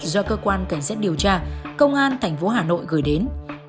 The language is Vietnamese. do cơ quan cảnh sát điều tra công an thành phố hà nội gửi đến